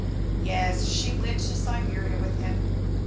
"Yes, she went to Siberia with him.